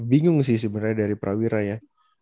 bingung sih sebenarnya dari prawira ya